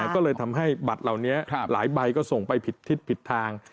ก็เลยทำให้บัตรเหล่านี้หลายใบก็ส่งไปผิดทิศผิดทาง